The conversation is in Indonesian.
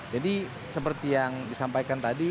jadi seperti yang disampaikan tadi